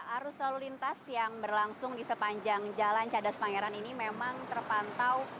arus lalu lintas yang berlangsung di sepanjang jalan cadas pangeran ini memang terpantau